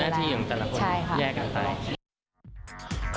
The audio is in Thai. หน้าที่ของแต่ละคนแยกกันไปใช่ค่ะใช่ค่ะ